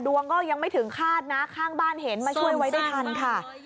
ดวงก็ยังไม่ถึงคาดนะข้างบ้านเห็นมาช่วยไว้ได้ทันค่ะ